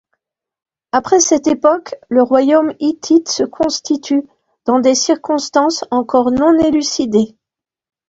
Après cette époque, le royaume hittite se constitue, dans des circonstances encore non élucidées.